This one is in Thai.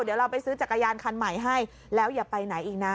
เดี๋ยวเราไปซื้อจักรยานคันใหม่ให้แล้วอย่าไปไหนอีกนะ